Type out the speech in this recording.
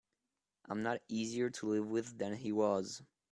I'm not easier to live with than he was.